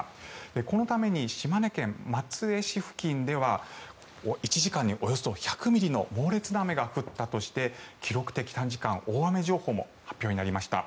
このために島根県松江市付近では１時間におよそ１００ミリの猛烈な雨が降ったとして記録的短時間大雨情報も発表になりました。